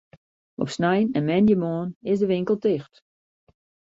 Op snein en moandeitemoarn is de winkel ticht.